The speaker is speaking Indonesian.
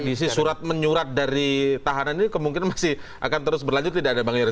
isi surat menyurat dari tahanan ini kemungkinan masih akan terus berlanjut tidak ada bang yeri